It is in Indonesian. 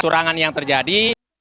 surangan yang terjadi